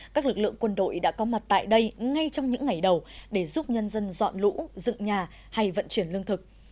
các lực lượng quân đội đã có mặt tại đây ngay trong những ngày đầu để giúp nhân dân dọn lũ dựng nhà hay vận chuyển lương thực